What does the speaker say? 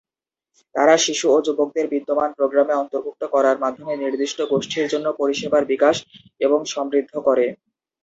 তারা শিশু ও যুবকদের বিদ্যমান প্রোগ্রামে অন্তর্ভুক্ত করার মাধ্যমে নির্দিষ্ট গোষ্ঠীর জন্য পরিষেবার বিকাশ এবং সমৃদ্ধ করে।